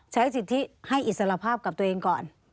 ใช้สิทธิให้อิสรภาพกับตัวเองก่อน